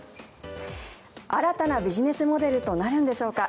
新たなビジネスモデルとなるんでしょうか。